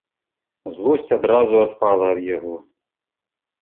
Злосць адразу адпала ад яго.